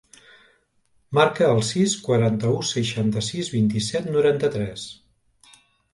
Marca el sis, quaranta-u, seixanta-sis, vint-i-set, noranta-tres.